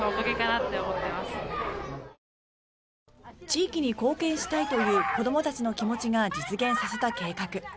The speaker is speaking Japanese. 地域に貢献したいという子どもたちの気持ちが実現させた計画。